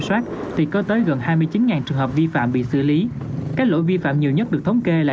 soát thì có tới gần hai mươi chín trường hợp vi phạm bị xử lý các lỗi vi phạm nhiều nhất được thống kê lại